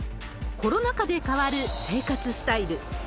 コロナ禍で変わる生活スタイル。